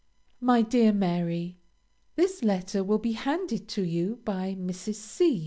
MY DEAR MARY: This letter will be handed to you by Mrs. C.